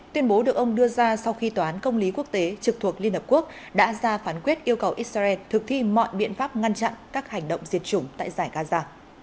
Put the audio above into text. tuyên bố được ông đưa ra sau khi tòa án công lý quốc tế trực thuộc liên hợp quốc đã ra phán quyết yêu cầu israel thực thi mọi biện pháp ngăn chặn các hành động diệt chủng tại giải gaza